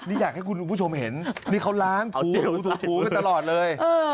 นี่อยากให้คุณผู้ชมเห็นนี่เขาล้างถูกันตลอดเลย